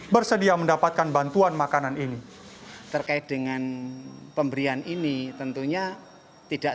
bersedia mendapatkan bantuan makanan ini terkait dengan pemberian ini tentunya tidak